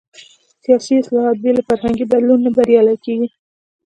سیاسي اصلاحات بې له فرهنګي بدلون نه بریالي کېږي.